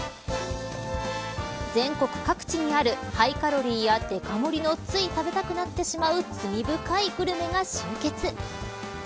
全国各地にあるハイカロリーやデカ盛りのつい食べたくなってしまう罪深いグルメが集結。